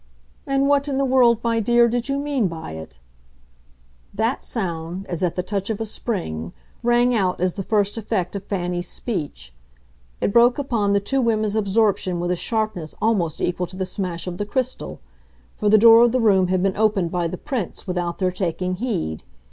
"And what in the world, my dear, did you mean by it?" that sound, as at the touch of a spring, rang out as the first effect of Fanny's speech. It broke upon the two women's absorption with a sharpness almost equal to the smash of the crystal, for the door of the room had been opened by the Prince without their taking heed.